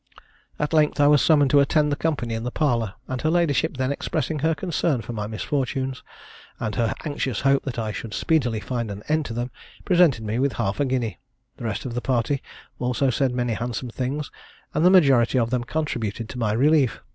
"At length I was summoned to attend the company in the parlour; and her ladyship then expressing her concern for my misfortunes, and her anxious hope that I should speedily find an end to them, presented me with half a guinea. The rest of the party also said many handsome things, and the majority of them contributed to my relief.